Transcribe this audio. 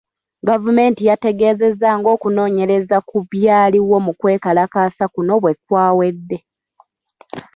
Gavumenti yategeezezza ng’okunoonyereza ku byaliwo mu kwekalakaasa kuno bwe kwawedde .